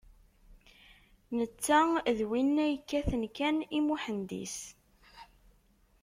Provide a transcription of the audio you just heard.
Netta d winna yekkaten kan i Muḥend-is.